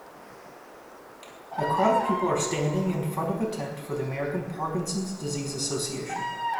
A crowd of people are standing in front of a tent for the American Parkinsons Disease Association.